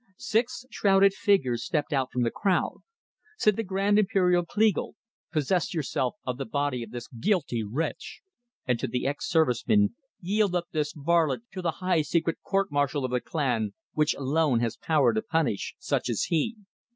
Six shrouded figures stepped out from the crowd. Said the Grand Imperial Kleagle: "Possess yourselves of the body of this guilty wretch!" And to the ex servicemen: "Yield up this varlet to the High Secret Court martial of the Klan, which alone has power to punish such as he."